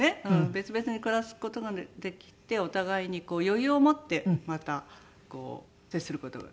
別々に暮らす事ができてお互いに余裕を持ってまた接する事ができる。